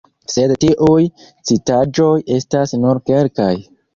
Sed tiuj citaĵoj estas nur kelkaj.